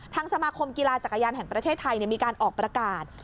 สมาคมกีฬาจักรยานแห่งประเทศไทยมีการออกประกาศ